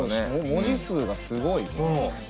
文字数がすごいもん。